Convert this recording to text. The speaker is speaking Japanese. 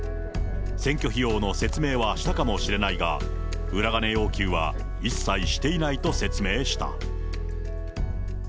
選挙費用の説明はしたかもしれないが、裏金要求は一切していないと説明した。